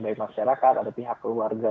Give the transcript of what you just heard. baik masyarakat ada pihak keluarga